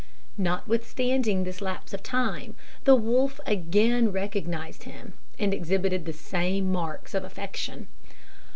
Notwithstanding this lapse of time, the wolf again recognised him, and exhibited the same marks of affection.